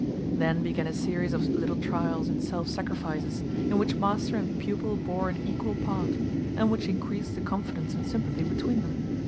Then began a series of little trials and self sacrifices, in which master and pupil bore an equal part, and which increased the confidence and sympathy between them.